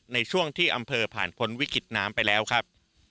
ในช่วงที่อำเภอผ่านพ้นวิกฤตน้ำไปแล้วครับ